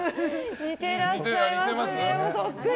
似てらっしゃいます。そっくり。